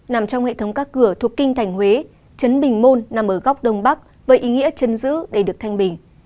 nằm trong hệ thống các cửa thuộc kinh thành huế chấn bình môn nằm ở góc đông bắc với ý nghĩa chân giữ để được thanh bình